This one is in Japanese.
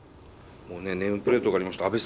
もうねネームプレートがありました。